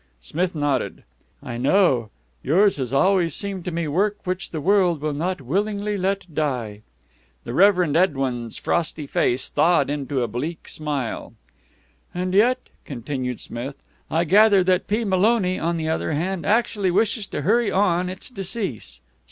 Smith nodded. "I know, yours has always seemed to me work which the world will not willingly let die." The Reverend Edwin's frosty face thawed into a bleak smile. "And yet," continued Smith, "I gather that P. Maloney, on the other hand, actually wishes to hurry on its decease.